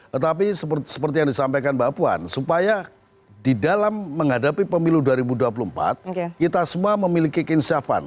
tetapi seperti yang disampaikan mbak puan supaya di dalam menghadapi pemilu dua ribu dua puluh empat kita semua memiliki keinsyafan